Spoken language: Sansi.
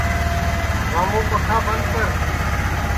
رامُوں پکھا بند کر